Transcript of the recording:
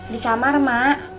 di kamar mak